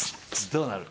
どうなる？